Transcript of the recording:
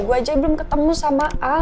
gue aja belum ketemu sama a